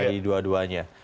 bisa di dua duanya